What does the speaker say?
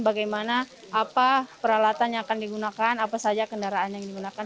bagaimana apa peralatan yang akan digunakan apa saja kendaraan yang digunakan